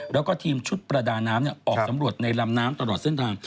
แล้วก็ทีมชุดประดาน้ำออกสำรวจในลำน้ำตลอดเส้นทาง